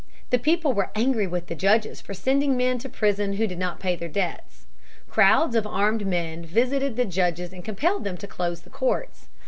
The people were angry with the judges for sending men to prison who did not pay their debts. Crowds of armed men visited the judges and compelled them to close the courts.